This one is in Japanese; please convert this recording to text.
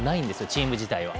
チーム自体は。